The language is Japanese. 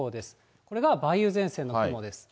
これが梅雨前線の雲です。